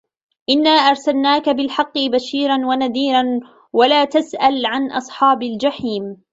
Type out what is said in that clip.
إِنَّا أَرْسَلْنَاكَ بِالْحَقِّ بَشِيرًا وَنَذِيرًا ۖ وَلَا تُسْأَلُ عَنْ أَصْحَابِ الْجَحِيمِ